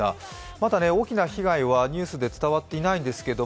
まだ大きな被害はニュースで伝わっていないんですけど